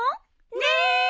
ねえ。